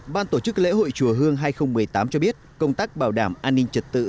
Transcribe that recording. ban tổ chức lễ hội chùa hương hai nghìn một mươi tám cho biết công tác bảo đảm an ninh trật tự